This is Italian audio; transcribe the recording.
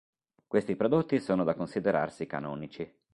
Questi prodotti sono da considerarsi canonici.